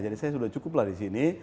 jadi saya sudah cukup lah disini